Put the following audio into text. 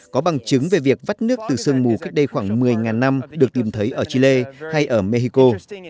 có bằng chứng về việc vắt nước từ sương mù cách đây khoảng một mươi năm được tìm thấy ở chile hay ở mexico